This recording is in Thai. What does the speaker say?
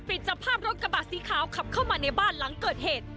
เอาเข้ามาในบ้านหลังเกิดเหตุ